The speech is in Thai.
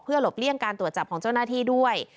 หลบเลี่ยงการตรวจจับของเจ้าหน้าที่ด้วย